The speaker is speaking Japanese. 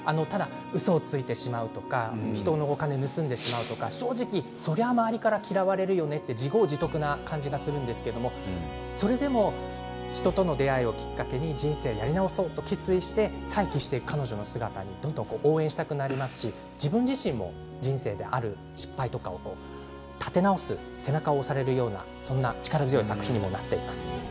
うそをついてしまうとか人のお金を盗んでしまうとかそれは周りから嫌われるよねと自業自得な感じがするんですけれども、それでも人との出会いをきっかけに人生やり直そうと決意して再起していく彼女の姿をどんどん応援したくなりますし自分自身も人生である失敗を立て直す背中を押されるようなそんな力強い作品にもなっています。